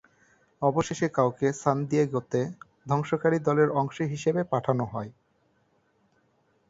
অবশেষে কেউকে সান দিয়েগোতে ধ্বংসকারী দলের অংশ হিসেবে পাঠানো হয়।